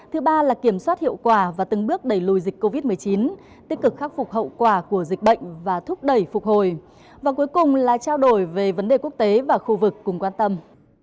thứ ba là kiểm soát hiệu quả và từng bước đẩy lùi dịch covid một mươi chín tích cực khắc phục hậu quả của dịch bệnh và thúc đẩy phục hồi và cuối cùng là trao đổi về vấn đề quốc tế và khu vực cùng quan tâm